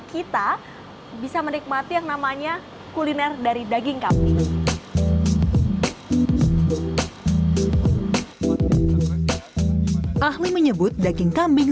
kita bisa menikmati yang namanya kuliner dari daging kambing ahli menyebut daging kambing